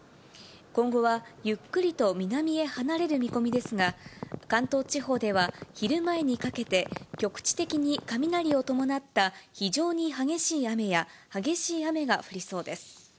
今後はゆっくりと南へ離れる見込みですが、関東地方では昼前にかけて、局地的に雷を伴った非常に激しい雨や、激しい雨が降りそうです。